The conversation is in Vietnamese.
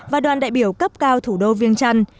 và đoàn đại biểu cấp cao thủ đô viêng trăn